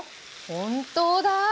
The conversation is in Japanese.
本当だ！